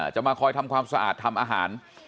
จะมาคอยทำความสะอาดทำอาหาร